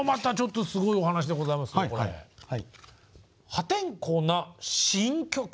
「破天荒な新曲」